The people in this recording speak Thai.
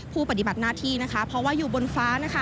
ปฏิบัติหน้าที่นะคะเพราะว่าอยู่บนฟ้านะคะ